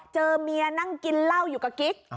เจอเมียนั่งกินเหล้าอยู่กับกิ๊ก